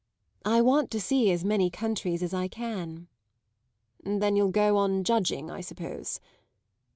I want to see as many countries as I can." "Then you'll go on judging, I suppose."